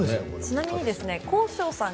ちなみに幸昇さん